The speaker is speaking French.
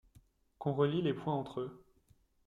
Qu’on relie les points entre eux.